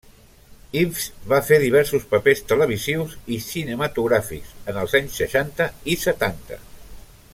Ives va fer diversos papers televisius i cinematogràfics en els anys seixanta i setanta.